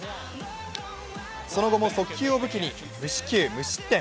その後も速球を武器に無四球、無失点。